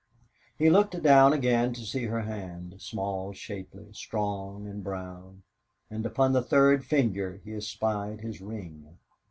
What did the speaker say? He looked down again to see her hand small, shapely, strong and brown; and upon the third finger he espied his ring.